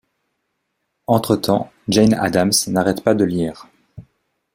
Entre-temps, Jane Addams n'arrête pas de lire.